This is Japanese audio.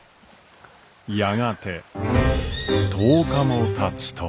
やがて１０日もたつと。